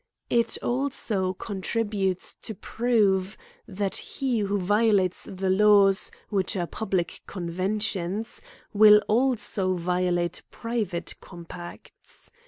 It also contributes to prove, that he who violates the laws, which are public conventions, will also vio late private compacts.